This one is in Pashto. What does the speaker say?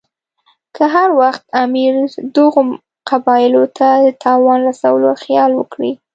که هر وخت امیر دغو قبایلو ته د تاوان رسولو خیال وکړي.